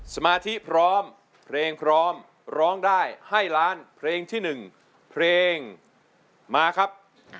สมาธิพร้อมเพลงพร้อมร้องได้ให้ล้านเพลงที่๑เพลงมาครับ